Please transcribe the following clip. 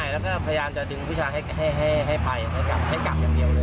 แล้วก็พยายามจะดึงผู้ชายให้ไปให้กลับอย่างเดียวเลย